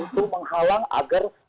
untuk menghalang agar